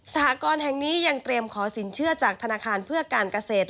หกรณ์แห่งนี้ยังเตรียมขอสินเชื่อจากธนาคารเพื่อการเกษตร